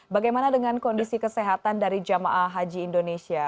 bagaimana dengan kondisi kesehatan dari jemaah haji indonesia